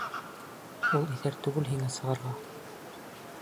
Ул иҫәр түгел шул һиңә сығырға!